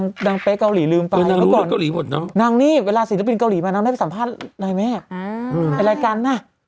นี่นางเป๊กเกาหลีลืมไปนางนี่เวลาศิลปินเกาหลีมานางได้ไปสัมภาษณ์หน่อยไหมไปรายการนะ